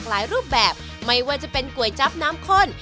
อันท่าน